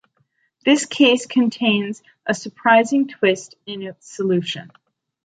This case contains a surprising twist in its solution.